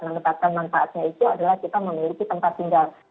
menetapkan manfaatnya itu adalah kita memiliki tempat tinggal